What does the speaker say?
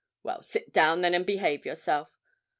Well, sit down, then, and behave yourself.